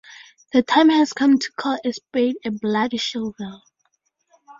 The time has come to call a spade a bloody shovel.